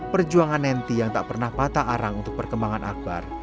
perjuangan nenty yang tak pernah patah arang untuk perkembangan akbar